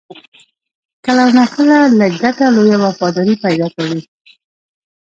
کله ناکله لږ ګټه، لویه وفاداري پیدا کوي.